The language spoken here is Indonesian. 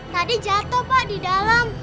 tadi jatuh pak di dalam